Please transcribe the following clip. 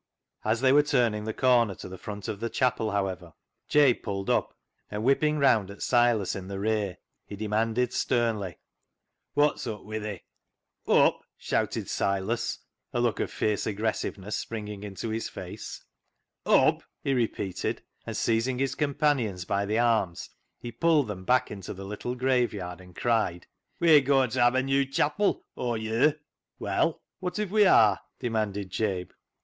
As they were turning the corner to the front of the chapel, however, Jabe pulled up, and whipping round at Silas in the rear, he de manded sternly —" Wot's up wi' thee ?"" Up I " shouted Silas, a look of fierce aggres siveness springing into his face ;" Up !" he repeated, and seizing his companions by the arms he puUj^d them back into the little grave^ yard and cried —" We're goin' t' have a new chapil, Aw ye'r." " Well ! wot if we are ?" demanded Jabe.